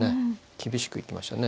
厳しく行きましたね。